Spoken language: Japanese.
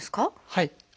はい。